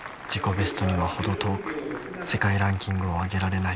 ベストには程遠く世界ランキングを上げられない。